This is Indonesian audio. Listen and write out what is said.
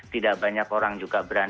tidak banyak orang juga berani